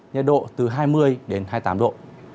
nhiệt độ từ hai mươi hai mươi tám độ